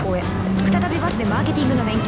再びバスでマーケティングの勉強